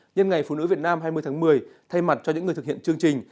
nhân ngày phụ nữ việt nam hai mươi tháng một mươi thay mặt cho những người thực hiện chương trình